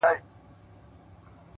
په گيلاس او په ساغر دي اموخته کړم؛